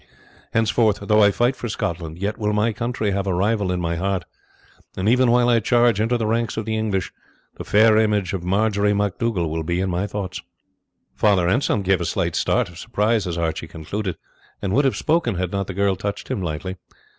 Henceforth, though I fight for Scotland, yet will my country have a rival in my heart; and even while I charge into the ranks of the English, the fair image of Marjory MacDougall will be in my thoughts." Father Anselm gave a slight start of surprise as Archie concluded, and would have spoken had not the girl touched him lightly.